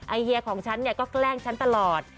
ไอเฮียของฉันเนี่ยก็แกล้งฉันตลอด